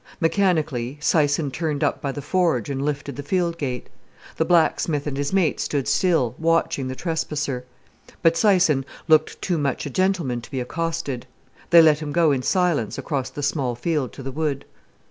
Mechanically, Syson turned up by the forge and lifted the field gate. The blacksmith and his mate stood still, watching the trespasser. But Syson looked too much a gentleman to be accosted. They let him go in silence across the small field to the wood.